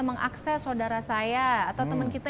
mengakses saudara saya atau teman kita